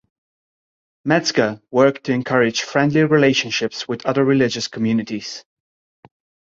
Metzger worked to encourage friendly relationships with other religious communities.